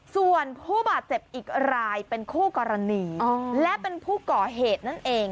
ส่วนผู้บาดเจ็บอีกรายเป็นคู่กรณีและเป็นผู้ก่อเหตุนั่นเอง